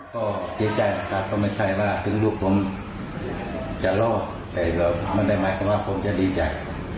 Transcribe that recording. ก็เสียใจนะครับทำไมชัยว่าลูกผมจะรอดแต่มันใดหมายคำว่าผมเลยจะดีใจ